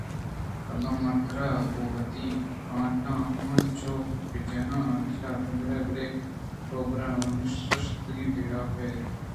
اگاں نا من ترا گوں وتی کانٹاں ہمینچو بِہ جناں داں تو بِہ مِرےبلئے روباہ وَ نہ شُشتگیں بے آپے اَت